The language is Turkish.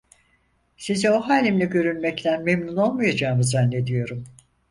Size o halimle görünmekten memnun olmayacağımı zannediyorum…